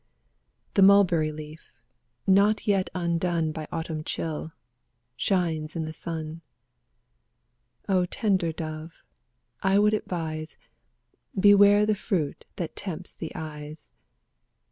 The mulberry leaf, not yet undone By autumn chill, shines in the sun. O tender dove, I would advise, * Beware the fruit that tempts thy eyes